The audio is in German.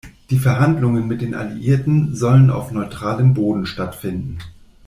Die Verhandlungen mit den Alliierten sollen auf neutralem Boden stattfinden.